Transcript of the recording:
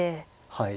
はい。